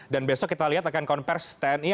dan besok kita lihat akan konfirmasi tni